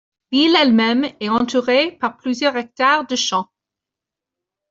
La ville elle-même est entourée par plusieurs hectares de champs.